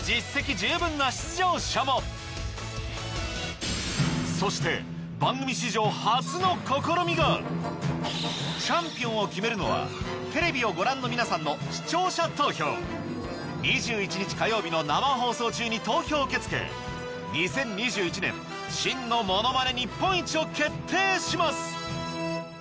十分な出場者もそして番組史上初の試みがチャンピオンを決めるのはテレビをご覧の皆さんの視聴者投票２１日火曜日の生放送中に投票を受け付け２０２１年真のものまね日本一を決定します